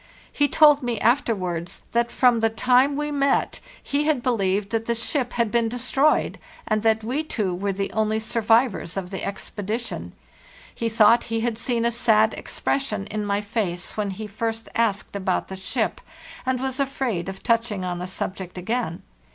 He told me afterwards that from the time we met he had believed that the ship had been destroyed, and that we two were the only survivors of the expedi tion. He thought he had seen a sad expression in my MR. JACKSON'S STATION AT CAPE FLORA face when he first asked about the ship, and was afraid of touching on the subject again.